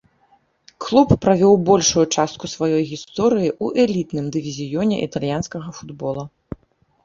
Клуб правёў большую частку сваёй гісторыі ў элітным дывізіёне італьянскага футбола.